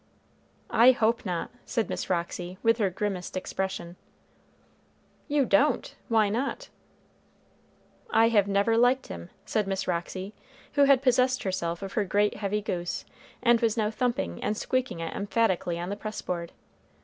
"I hope not," said Miss Roxy, with her grimmest expression. "You don't! Why not?" "I never liked him," said Miss Roxy, who had possessed herself of her great heavy goose, and was now thumping and squeaking it emphatically on the press board.